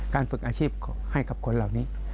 ฝึกอาชีพให้กับคนเหล่านี้